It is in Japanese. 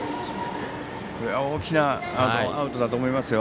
これは大きなアウトだと思いますよ。